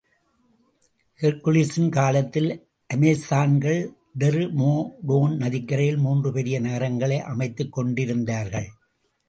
ஹெர்க்குலிஸின் காலத்தில் அமெசான்கள் தெர்மோடோன் நதிக்கரையில் மூன்று பெரிய நகரங்களை அமைத்துக்கொண்டிருந்தார்கள்.